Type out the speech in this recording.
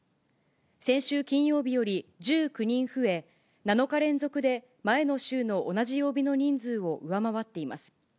先週金曜日より１９人増え、７日連続で前の週の同じ曜日の人数を上回っています。